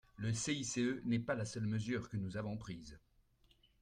Le CICE n’est pas la seule mesure que nous avons prise.